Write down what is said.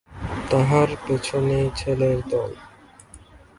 তাহার পিছনে ছেলের দল।